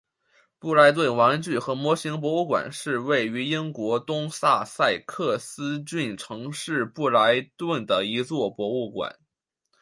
布莱顿玩具和模型博物馆是位于英国东萨塞克斯郡城市布莱顿的一座博物馆。